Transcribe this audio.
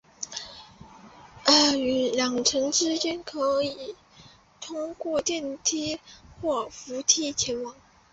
两层之间可通过电梯或扶梯前往。